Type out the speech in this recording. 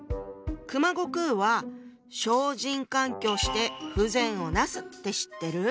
熊悟空は「小人閑居して不善をなす」って知ってる？